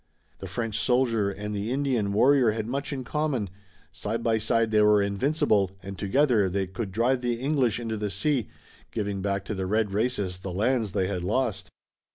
The French soldier and the Indian warrior had much in common, side by side they were invincible, and together they could drive the English into the sea, giving back to the red races the lands they had lost.